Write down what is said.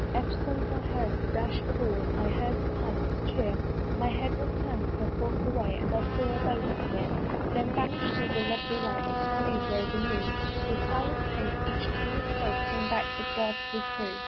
Eftsones I heard the dash of oars, I heard the pilot's cheer: My head was turn'd perforce away And I saw a boat appear. Then vanish'd all the lovely lights; The bodies rose anew: With silent pace, each to his place, Came back the ghastly crew.